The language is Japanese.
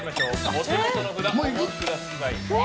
お手元の札、お持ちください。